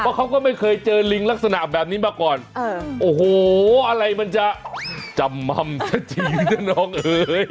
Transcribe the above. เพราะเขาก็ไม่เคยเจอลิงลักษณะแบบนี้มาก่อนโอ้โหอะไรมันจะจำม่ำจะจริงนะน้องเอ๋ย